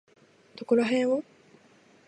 どこらへんを？